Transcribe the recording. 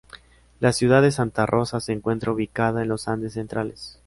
La ciudad de Santa Rosa se encuentra ubicada en los Andes Centrales.